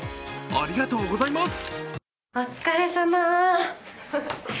ありがとうございます！